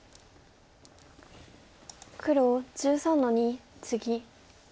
黒１３の二ツギ。